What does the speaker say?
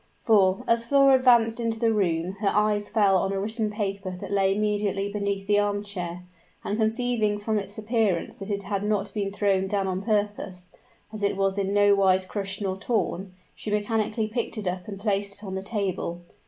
For, as Flora advanced into the room, her eyes fell on a written paper that lay immediately beneath the arm chair; and conceiving from its appearance that it had not been thrown down on purpose, as it was in nowise crushed nor torn, she mechanically picked it up and placed it on the table.